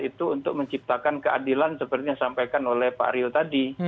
itu untuk menciptakan keadilan seperti yang disampaikan oleh pak rio tadi